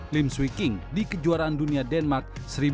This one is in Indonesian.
lim swicking di kejuaraan dunia denmark seribu sembilan ratus delapan puluh tiga